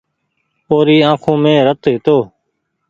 او ري آنکون مين رت هيتو۔